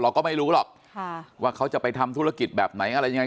เราก็ไม่รู้หรอกว่าเขาจะไปทำธุรกิจแบบไหนอะไรยังไง